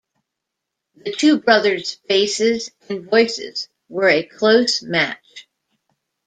The two brothers' faces and voices were a close match.